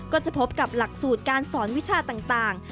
ก็จะพบกับหลักสูตรการสอนวิชาต่าง